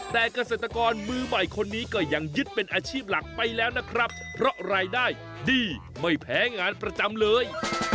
แต่เกษตรกรมือใหม่คนนี้ก็ยังยึดเป็นอาชีพหลักไปแล้วนะครับเพราะรายได้ดีไม่แพ้งานประจำเลย